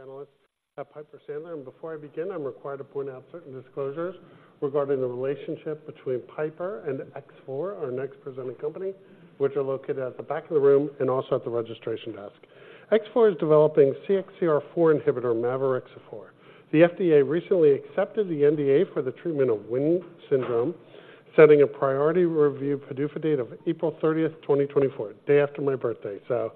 analysts at Piper Sandler. And before I begin, I'm required to point out certain disclosures regarding the relationship between Piper and X4, our next presenting company, which are located at the back of the room and also at the registration desk. X4 is developing CXCR4 inhibitor, mavorixafor. The FDA recently accepted the NDA for the treatment of WHIM syndrome, setting a priority review PDUFA date of April 30, 2024. Day after my birthday, so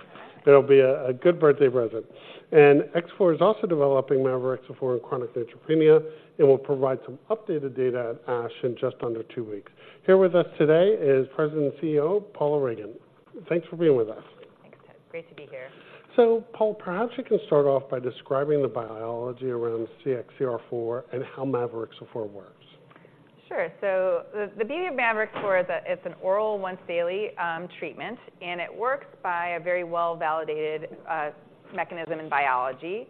there'll be a good birthday present. And X4 is also developing mavorixafor in chronic neutropenia and will provide some updated data at ASH in just under two weeks. Here with us today is President and CEO, Paula Ragan. Thanks for being with us. Thanks, Ted. Great to be here. Paula, perhaps you can start off by describing the biology around CXCR4 and how mavorixafor works. Sure. So the beauty of mavorixafor is that it's an oral once daily treatment, and it works by a very well-validated mechanism in biology.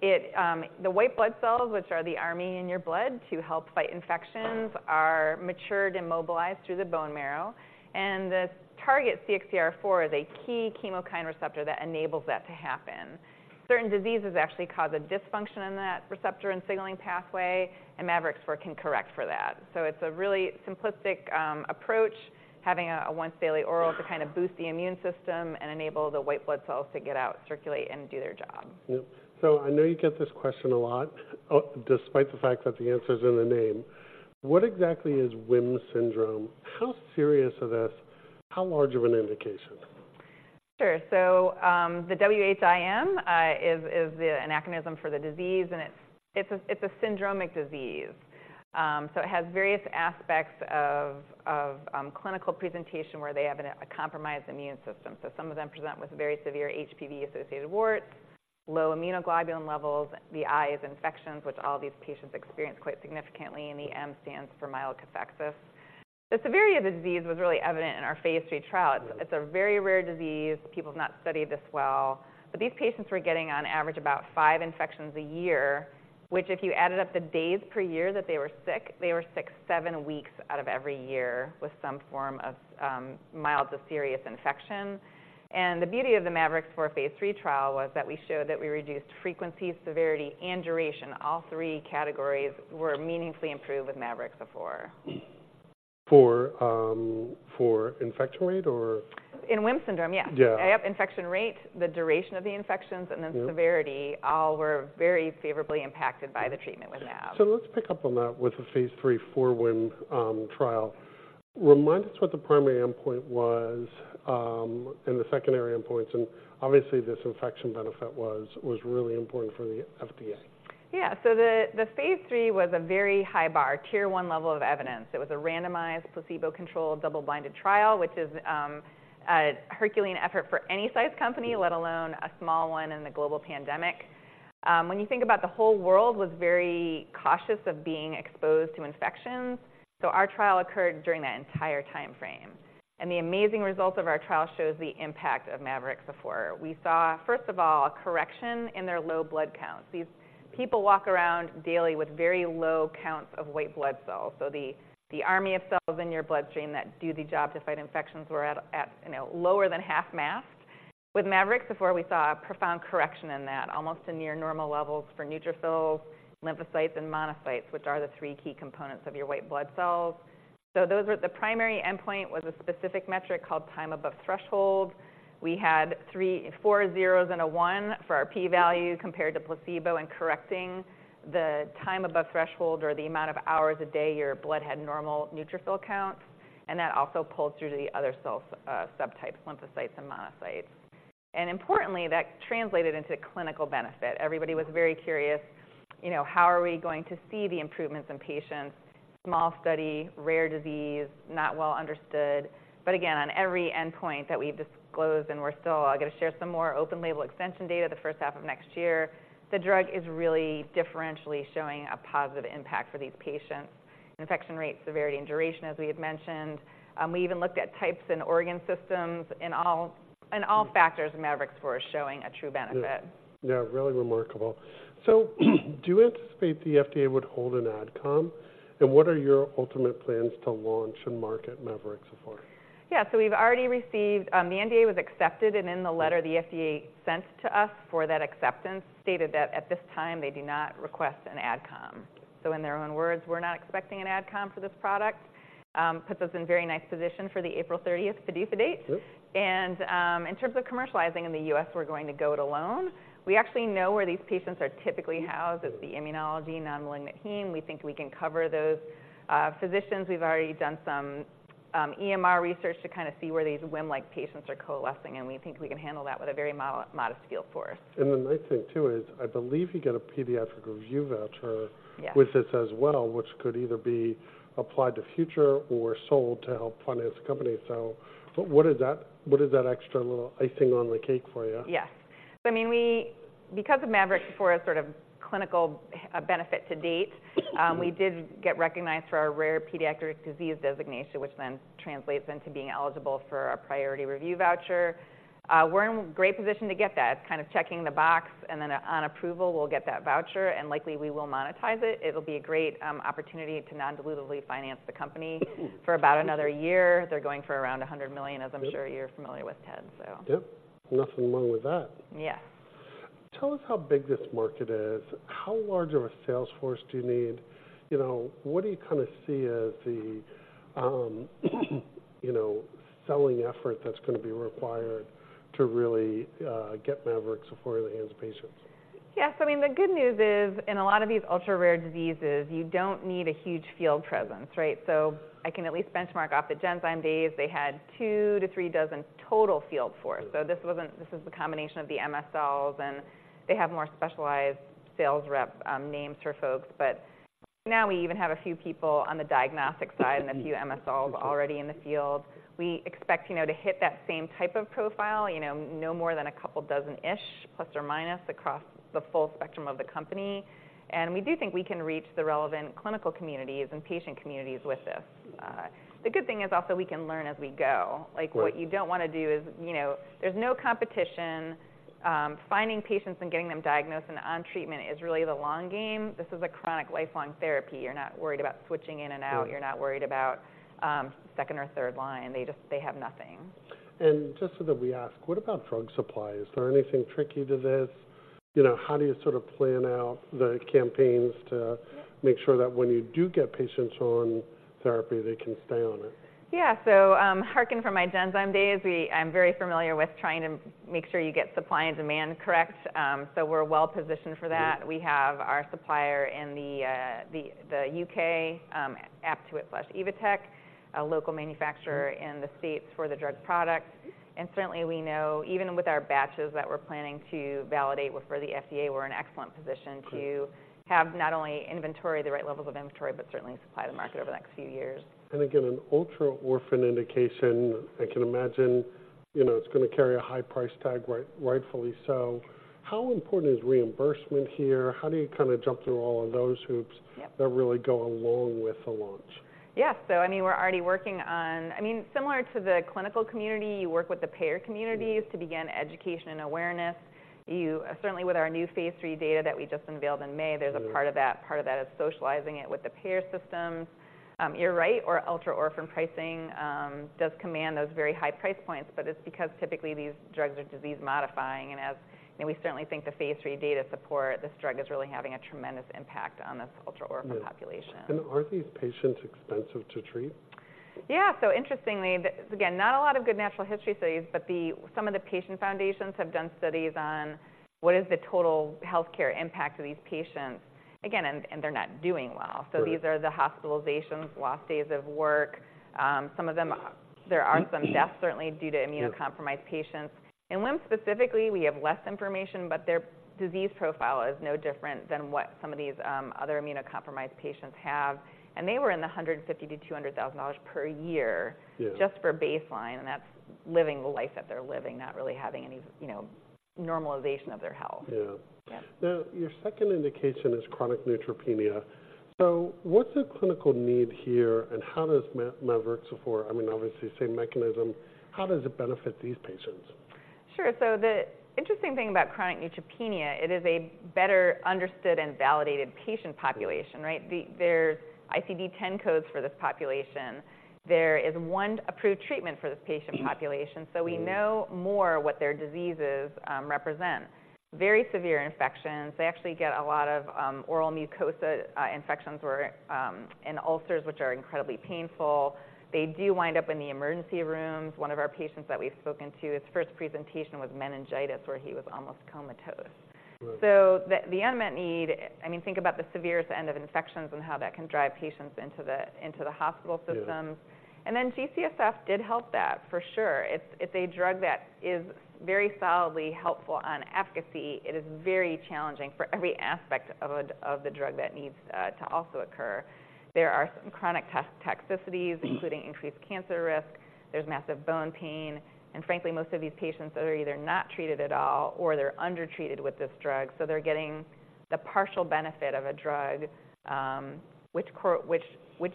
The white blood cells, which are the army in your blood to help fight infections, are matured and mobilized through the bone marrow, and the target CXCR4 is a key chemokine receptor that enables that to happen. Certain diseases actually cause a dysfunction in that receptor and signaling pathway, and mavorixafor can correct for that. So it's a really simplistic approach, having a once daily oral to kind of boost the immune system and enable the white blood cells to get out, circulate, and do their job. Yep. So I know you get this question a lot, despite the fact that the answer's in the name. What exactly is WHIM syndrome? How serious is this? How large of an indication? Sure. So, the WHIM is the acronym for the disease, and it's a syndromic disease. So it has various aspects of clinical presentation where they have a compromised immune system. So some of them present with very severe HPV-associated warts, low immunoglobulin levels, these infections, which all these patients experience quite significantly, and the M stands for myelokathexis. The severity of the disease was really evident in our phase 3 trial. It's a very rare disease. People have not studied this well, but these patients were getting on average about five infections a year, which, if you added up the days per year that they were sick, they were sick seven weeks out of every year with some form of mild to serious infection. The beauty of the mavorixafor Phase 3 trial was that we showed that we reduced frequency, severity, and duration. All three categories were meaningfully improved with mavorixafor. For infection rate or? In WHIM syndrome, yes. Yeah. Yep, infection rate, the duration of the infections- Yep... and then severity, all were very favorably impacted by the treatment with mav. So let's pick up on that with the phase 3 for WHIM trial. Remind us what the primary endpoint was, and the secondary endpoints, and obviously, this infection benefit was really important for the FDA. Yeah. So the phase III was a very high bar, Tier One level of evidence. It was a randomized, placebo-controlled, double-blind trial, which is a herculean effort for any size company, let alone a small one in a global pandemic. When you think about the whole world was very cautious of being exposed to infections, so our trial occurred during that entire time frame, and the amazing results of our trial shows the impact of mavorixafor. We saw, first of all, a correction in their low blood counts. These people walk around daily with very low counts of white blood cells, so the army of cells in your bloodstream that do the job to fight infections were at, you know, lower than half mast. With mavorixafor, we saw a profound correction in that, almost to near normal levels for neutrophils, lymphocytes, and monocytes, which are the three key components of your white blood cells. So those were the primary endpoint, was a specific metric called time above threshold. We had 0.0001 for our p value compared to placebo, and correcting the time above threshold or the amount of hours a day your blood had normal neutrophil counts, and that also pulled through to the other cell subtypes, lymphocytes and monocytes. And importantly, that translated into clinical benefit. Everybody was very curious, you know, how are we going to see the improvements in patients? Small study, rare disease, not well understood. But again, on every endpoint that we've disclosed, and we're still going to share some more open label extension data the first half of next year, the drug is really differentially showing a positive impact for these patients. Infection rate, severity, and duration, as we had mentioned. We even looked at types and organ systems. In all, in all factors, mavorixafor is showing a true benefit. Yeah. Yeah, really remarkable. So do you anticipate the FDA would hold an AdCom, and what are your ultimate plans to launch and market mavorixafor? Yeah. So we've already received... the NDA was accepted, and in the letter the FDA sent to us for that acceptance, stated that at this time they do not request an AdCom. So in their own words, we're not expecting an AdCom for this product. Puts us in very nice position for the April 30th PDUFA date. Yep. In terms of commercializing in the U.S., we're going to go it alone. We actually know where these patients are typically housed. It's the Immunology Non-malignant Heme. We think we can cover those physicians. We've already done some EMR research to kind of see where these WHIM-like patients are coalescing, and we think we can handle that with a very modest field force. The nice thing, too, is I believe you get a pediatric review voucher- Yeah... with this as well, which could either be applied to future or sold to help finance the company. So what is that, what is that extra little icing on the cake for you? Yes. I mean, we, because of mavorixafor's sort of clinical benefit to date- Mm-hmm... we did get recognized for our Rare Pediatric Disease Designation, which then translates into being eligible for a Priority Review Voucher. We're in great position to get that. It's kind of checking the box, and then on approval, we'll get that voucher, and likely we will monetize it. It'll be a great opportunity to non-dilutively finance the company... for about another year. They're going for around $100 million, as I'm sure- Yep... you're familiar with, Ted, so. Yep. Nothing wrong with that. Yeah. ... Tell us how big this market is. How large of a sales force do you need? You know, what do you kind of see as the, you know, selling effort that's going to be required to really, get mavorixafor into patients? Yes. I mean, the good news is, in a lot of these ultra-rare diseases, you don't need a huge field presence, right? So I can at least benchmark off the Genzyme days. They had 2-3 dozen total field force. So this is the combination of the MSLs, and they have more specialized sales rep names for folks. But now we even have a few people on the diagnostic side and a few MSLs already in the field. We expect, you know, to hit that same type of profile, you know, no more than a couple dozen-ish, plus or minus, across the full spectrum of the company, and we do think we can reach the relevant clinical communities and patient communities with this. The good thing is also we can learn as we go. Right. Like, what you don't want to do is... You know, there's no competition. Finding patients and getting them diagnosed and on treatment is really the long game. This is a chronic lifelong therapy. You're not worried about switching in and out. Sure. You're not worried about second or third line. They just. They have nothing. Just so that we ask, what about drug supply? Is there anything tricky to this? You know, how do you sort of plan out the campaigns to- Yeah Make sure that when you do get patients on therapy, they can stay on it? Yeah. So, hearken from my Genzyme days, we're very familiar with trying to make sure you get supply and demand correct. So we're well positioned for that. Good. We have our supplier in the U.K., Aptuit/Evotec, a local manufacturer- Mm-hmm -in the States for the drug product. And certainly, we know even with our batches that we're planning to validate with for the FDA, we're in excellent position- Good to have not only inventory, the right levels of inventory, but certainly supply the market over the next few years. And again, an ultra-orphan indication, I can imagine, you know, it's going to carry a high price tag, right, rightfully so. How important is reimbursement here? How do you kind of jump through all of those hoops- Yep that really go along with the launch? Yeah. So, I mean, we're already working on... I mean, similar to the clinical community, you work with the payer communities- Good to begin education and awareness. Certainly, with our new phase 3 data that we just unveiled in May- Good There's a part of that, part of that is socializing it with the payer systems. You're right, or ultra-orphan pricing does command those very high price points, but it's because typically these drugs are disease-modifying. And as, you know, we certainly think the phase 3 data support, this drug is really having a tremendous impact on this ultra-orphan population. Yeah. And are these patients expensive to treat? Yeah. So interestingly, again, not a lot of good natural history studies, but some of the patient foundations have done studies on what is the total healthcare impact of these patients. Again, and they're not doing well. Right. So these are the hospitalizations, lost days of work. Some of them, there are some deaths, certainly due to immunocompromised- Yeah -patients. In LIM, specifically, we have less information, but their disease profile is no different than what some of these other immunocompromised patients have, and they were in the $150,000-$200,000 per year- Yeah just for baseline, and that's living the life that they're living, not really having any, you know, normalization of their health. Yeah. Yeah. Now, your second indication is chronic neutropenia. So what's the clinical need here, and how does mavorixafor... I mean, obviously, the same mechanism, how does it benefit these patients? Sure. So the interesting thing about Chronic neutropenia, it is a better understood and validated patient population, right? There's ICD-10 codes for this population. There is one approved treatment for this patient population- Mm-hmm So we know more what their diseases represent. Very severe infections. They actually get a lot of oral mucosa infections where and ulcers, which are incredibly painful. They do wind up in the emergency rooms. One of our patients that we've spoken to, his first presentation was meningitis, where he was almost comatose. Right. So the unmet need, I mean, think about the severe end of infections and how that can drive patients into the hospital system. Yeah. And then G-CSF did help that, for sure. It's a drug that is very solidly helpful on efficacy. It is very challenging for every aspect of the drug that needs to also occur. There are some chronic toxicities, including increased cancer risk. There's massive bone pain, and frankly, most of these patients are either not treated at all or they're undertreated with this drug, so they're getting the partial benefit of a drug, which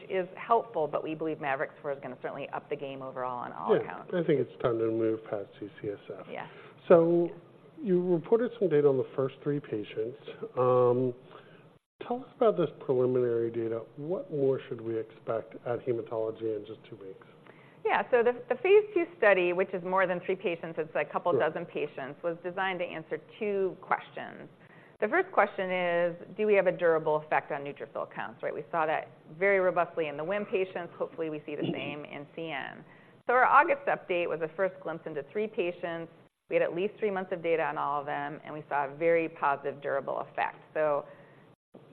is helpful, but we believe mavorixafor is going to certainly up the game overall on all counts. Yeah. I think it's time to move past G-CSF. Yeah. So you reported some data on the first three patients. Tell us about this preliminary data. What more should we expect at Hematology in just two weeks? Yeah. So the phase II study, which is more than three patients, it's a couple dozen patients- Good was designed to answer two questions. The first question is: Do we have a durable effect on neutrophil counts, right? We saw that very robustly in the WHIM patients. Hopefully, we see the same in CN. So our August update was a first glimpse into 3 patients. We had at least 3 months of data on all of them, and we saw a very positive, durable effect. So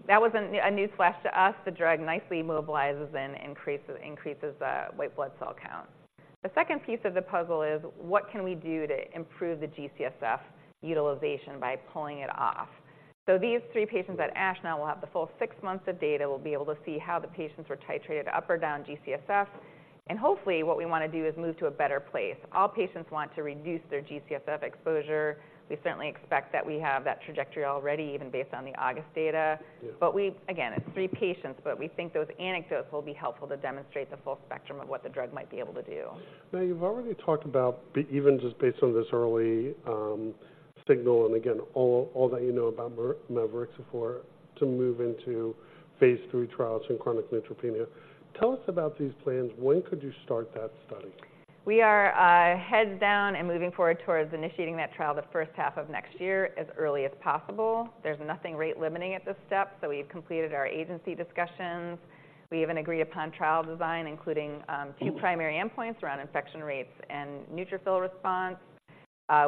that wasn't a newsflash to us. The drug nicely mobilizes and increases the white blood cell count. The second piece of the puzzle is: What can we do to improve the G-CSF utilization by pulling it off? So these 3 patients at ASH now will have the full 6 months of data. We'll be able to see how the patients were titrated up or down G-CSF, and hopefully, what we want to do is move to a better place. All patients want to reduce their G-CSF exposure. We certainly expect that we have that trajectory already, even based on the August data. Yeah. Again, it's three patients, but we think those anecdotes will be helpful to demonstrate the full spectrum of what the drug might be able to do. Now, you've already talked about even just based on this early signal, and again, all that you know about mavorixafor, to move into phase 3 trials in chronic neutropenia. Tell us about these plans. When could you start that study? We are heads down and moving forward towards initiating that trial the first half of next year, as early as possible. There's nothing rate-limiting at this step, so we've completed our agency discussions. We even agreed upon trial design, including two primary endpoints around infection rates and neutrophil response.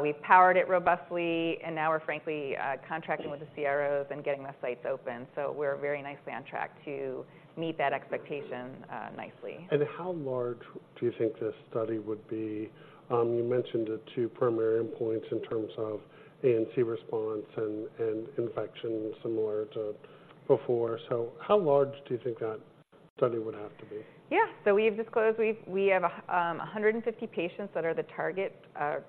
We've powered it robustly, and now we're frankly contracting with the CROs and getting the sites open. So we're very nicely on track to meet that expectation, nicely. How large do you think this study would be? You mentioned the two primary endpoints in terms of ANC response and, and infection similar to before. How large do you think that study would have to be? Yeah. So we have disclosed we, we have, 150 patients that are the target,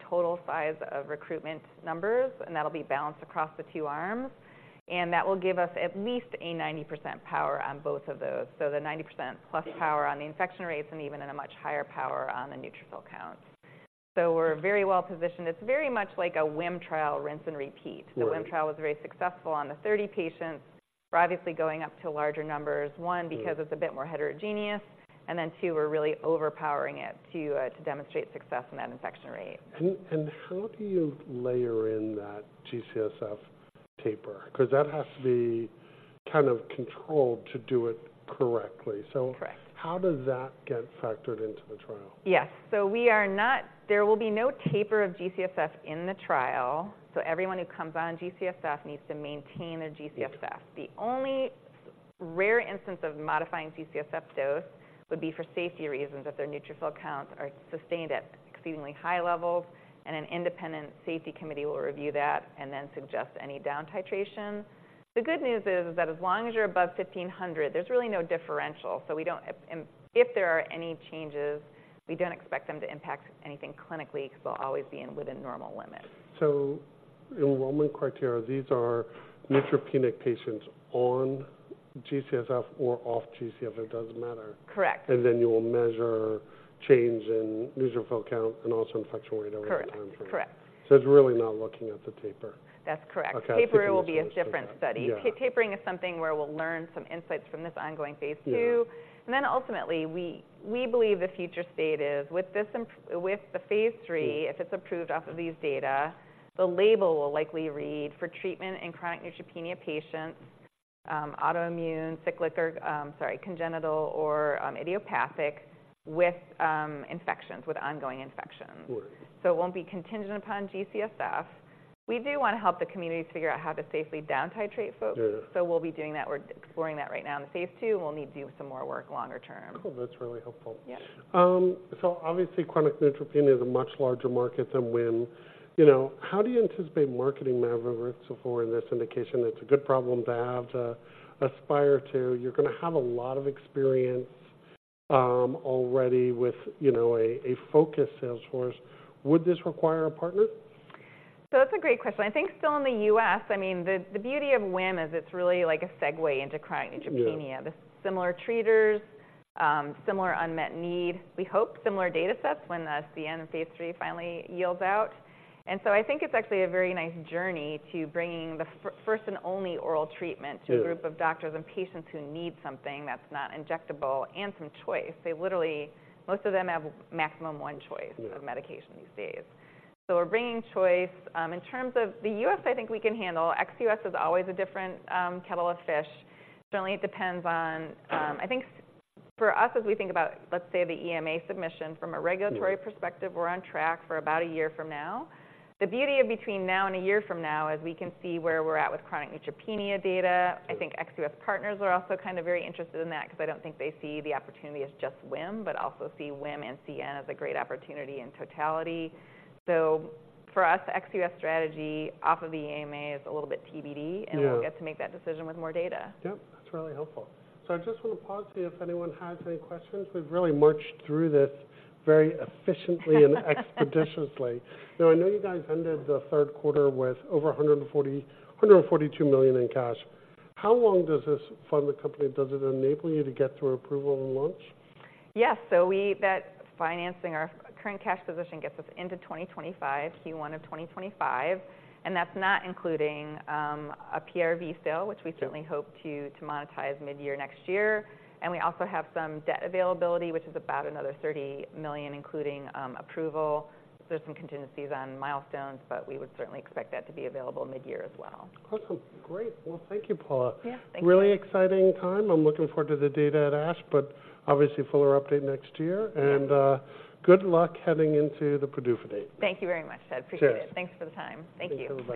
total size of recruitment numbers, and that'll be balanced across the two arms, and that will give us at least a 90% power on both of those. So the 90% plus power on the infection rates and even in a much higher power on the neutrophil count. So we're very well positioned. It's very much like a WHIM trial, rinse and repeat. Right. The WHIM trial was very successful on the 30 patients. We're obviously going up to larger numbers, one- Right - because it's a bit more heterogeneous, and then 2, we're really overpowering it to, to demonstrate success in that infection rate. And how do you layer in that G-CSF taper? Because that has to be kind of controlled to do it correctly. Correct. How does that get factored into the trial? Yes. So we are not. There will be no taper of G-CSF in the trial, so everyone who comes on G-CSF needs to maintain a G-CSF. Yes. The only rare instance of modifying G-CSF dose would be for safety reasons, if their neutrophil counts are sustained at exceedingly high levels, and an independent safety committee will review that and then suggest any down titration. The good news is that as long as you're above 1,500, there's really no differential, so we don't... If, if there are any changes, we don't expect them to impact anything clinically, because they'll always be within normal limits. Enrollment criteria, these are neutropenic patients on G-CSF or off G-CSF, it doesn't matter? Correct. And then you will measure change in neutrophil count and also infection rate over time for- Correct. Correct. It's really not looking at the taper. That's correct. Okay. Taper will be a different study. Yeah. Tapering is something where we'll learn some insights from this ongoing phase two. Yeah. Then ultimately, we believe the future state is with the phase 3- Yes If it's approved off of these data, the label will likely read: "For treatment in chronic neutropenia patients, autoimmune, cyclic, or congenital or idiopathic, with infections, with ongoing infections. Right. It won't be contingent upon G-CSF. We do want to help the community figure out how to safely down titrate folks. Yeah. We'll be doing that. We're exploring that right now in the phase 2, and we'll need to do some more work longer term. Cool. That's really helpful. Yeah. So obviously, chronic neutropenia is a much larger market than WHIM. You know, how do you anticipate marketing mavorixafor for this indication? It's a good problem to have to aspire to. You're gonna have a lot of experience already with, you know, a focused sales force. Would this require a partner? So that's a great question. I think, still in the U.S., I mean, the beauty of WHIM is it's really like a segue into chronic neutropenia. Yeah. The similar treaters, similar unmet need. We hope similar data sets when the CN and phase 3 finally yields out. And so I think it's actually a very nice journey to bringing the first and only oral treatment- Yeah to a group of doctors and patients who need something that's not injectable and some choice. They literally, most of them, have maximum one choice. Yeah of medication these days. So we're bringing choice. In terms of the U.S., I think we can handle. Ex-U.S. is always a different kettle of fish. Certainly, it depends on. I think for us, as we think about, let's say, the EMA submission from a regulatory perspective- Yeah We're on track for about a year from now. The beauty of between now and a year from now is we can see where we're at with chronic neutropenia data. Sure. I think ex-US partners are also kind of very interested in that because I don't think they see the opportunity as just WHIM, but also see WHIM and CN as a great opportunity in totality. So for us, ex-US strategy off of the EMA is a little bit TBD- Yeah And we'll get to make that decision with more data. Yep, that's really helpful. So I just want to pause, see if anyone has any questions. We've really marched through this very efficiently and expeditiously. Now, I know you guys ended the third quarter with over $142 million in cash. How long does this fund the company? Does it enable you to get to approval and launch? Yes. So that financing, our current cash position, gets us into 2025, Q1 of 2025, and that's not including a PRV sale- Yep - which we certainly hope to monetize midyear next year. And we also have some debt availability, which is about another $30 million, including approval. There's some contingencies on milestones, but we would certainly expect that to be available midyear as well. Awesome. Great. Well, thank you, Paula. Yeah. Thank you. Really exciting time. I'm looking forward to the data at ASH, but obviously fuller update next year. Yeah. Good luck heading into the PDUFA date. Thank you very much, Ted. Appreciate it. Cheers. Thanks for the time. Thank you. Thanks everybody.